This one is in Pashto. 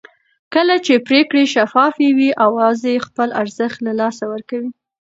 کله چې پرېکړې شفافې وي اوازې خپل ارزښت له لاسه ورکوي